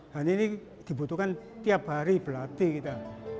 dan ini dibutuhkan tiap hari berlatih kita